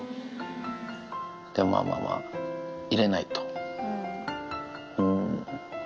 でも、まあまあまあ、入れないと。